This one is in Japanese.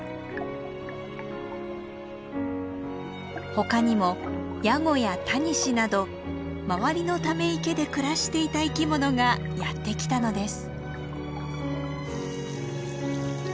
ほかにもヤゴやタニシなど周りのため池で暮らしていた生き物がやってきたのです。